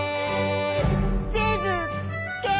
「チーズ！ケーキ！